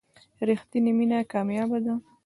رښتینې مینه کمیابه ده.